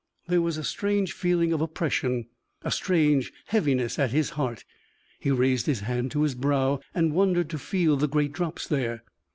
There was a strange feeling of oppression, a strange heaviness at his heart. He raised his hand to his brow, and wondered to feel the great drops there.